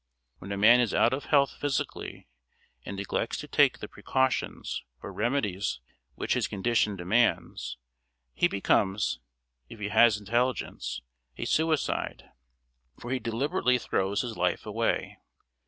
When a man is out of health physically and neglects to take the precautions or remedies which his condition demands, he becomes, if he has intelligence, a suicide; for he deliberately throws his life away.